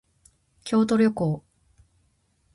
京都旅行